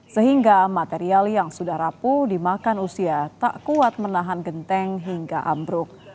sehingga material yang sudah rapuh dimakan usia tak kuat menahan genteng hingga ambruk